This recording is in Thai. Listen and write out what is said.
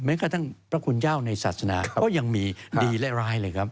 กระทั่งพระคุณเจ้าในศาสนาก็ยังมีดีและร้ายเลยครับ